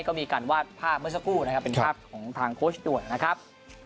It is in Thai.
ก็มีการวาดภาพเมื่อสักครู่นะครับเป็นภาพของทางโค้ชด่วนนะครับ